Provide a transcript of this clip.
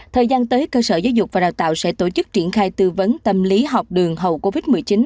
thời gian tới cơ sở giáo dục và đào tạo sẽ tổ chức triển khai tư vấn tâm lý học đường hậu covid một mươi chín